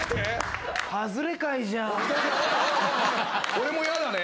俺もやだね